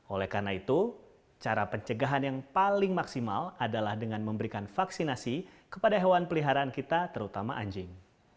oleh karena itu cara pencegahan yang paling maksimal adalah dengan memberikan vaksinasi kepada hewan peliharaan kita terutama anjing